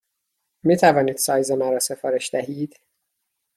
می توانید سایز مرا سفارش دهید؟